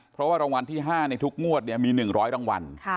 เพราะว่ารางวัลที่๕ในทุกงวดมี๑๐๐รางวัล